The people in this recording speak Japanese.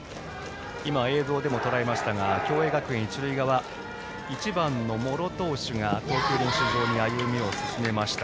映像でもとらえましたが共栄学園、一塁側１番の茂呂投手が投球練習場に歩みを進めました。